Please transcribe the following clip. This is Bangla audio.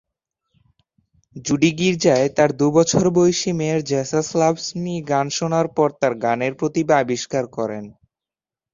জুডি গির্জায় তার দু-বছর বয়সী মেয়ের "জেসাস লাভস্ মি" গান শোনার পর তার গানের প্রতিভা আবিষ্কার করেন।